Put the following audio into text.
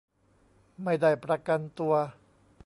ไม่ได้ประกันตัว